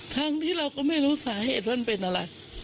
ทั้งที่เราก็ไม่รู้สาเหตุว่ามันเป็นอะไร